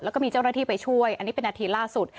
แล้วก็มีเจ้าหน้าที่ไปช่วยอันนี้เป็นนาทีล่าสุด